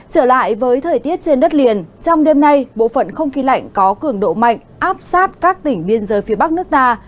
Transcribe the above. trở lại với thời tiết trên đất liền trong đêm nay bộ phận không khí lạnh có cường độ mạnh áp sát các tỉnh biên giới phía bắc nước ta